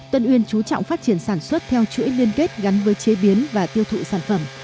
tân uyên chú trọng phát triển sản xuất theo chuỗi liên kết gắn với chế biến và tiêu thụ sản phẩm